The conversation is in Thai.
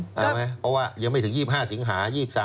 อืมตรงไหนเพราะว่ายังไม่ถึง๒๕สิงหา๒๓๒๔ผิดอะไร